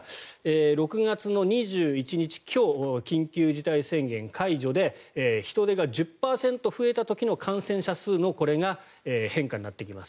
６月２１日、今日緊急事態宣言解除で人出が１０％増えた時の感染者数の変化となってきます。